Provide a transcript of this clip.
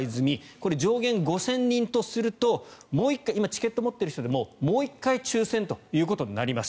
これ、上限５０００人とすると今、チケットを持っている人でももう１回抽選ということになります。